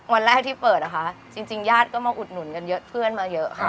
วันแรกที่เปิดนะคะจริงญาติก็มาอุดหนุนกันเยอะเพื่อนมาเยอะค่ะ